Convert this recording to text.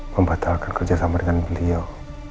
membatalkan kerjasama dengan beliau